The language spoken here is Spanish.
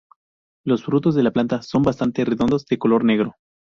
Los frutos de la planta son bastante redondos, de color negro.